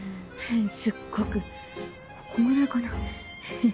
すっごくこんぐらいかな？